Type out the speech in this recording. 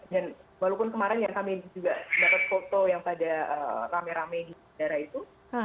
dan walaupun kemarin yang kami juga dapat foto yang pada rame rame di daerah itu